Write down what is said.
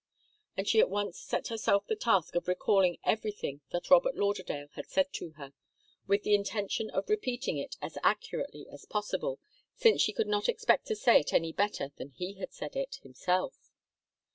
And she at once set herself the task of recalling everything that Robert Lauderdale had said to her, with the intention of repeating it as accurately as possible, since she could not expect to say it any better than he had said it himself.